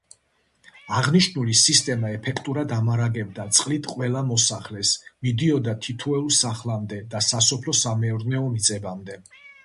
აღნიშნული სისტემა ეფექტურად ამარაგებდა წყლით ყველა მოსახლეს, მიდიოდა თითოეულ სახლამდე და სასოფლო-სამეურნეო მიწებამდე.